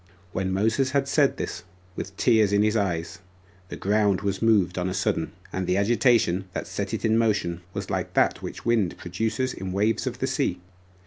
3. When Moses had said this, with tears in his eyes, the ground was moved on a sudden; and the agitation that set it in motion was like that which the wind produces in waves of the sea.